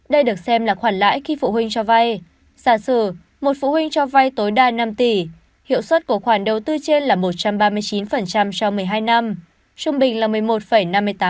đây được xem là khoản lãi khi phụ huynh cho vay sản sử một phụ huynh cho vay tối đa năm tỷ hiệu suất của khoản đầu tư trên là một trăm ba mươi chín trong một mươi hai năm trung bình là một mươi một năm mươi tám